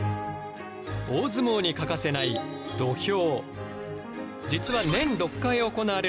大相撲に欠かせない土俵。